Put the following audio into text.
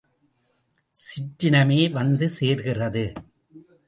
சிற்றினமே வந்து சேர்கிறது!